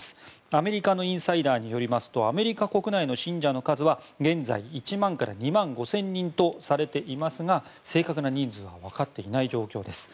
アメリカのインサイダーによりますとアメリカ国内の信者の数は現在、１万から２万５０００人とされていますが正確な人数は分かっていない状況です。